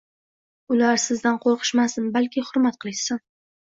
Ular sizdan qo‘rqishmasin, balki hurmat qilishsin.